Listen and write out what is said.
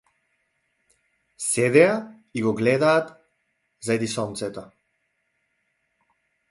Седеа и го гледаат зајдисонцето.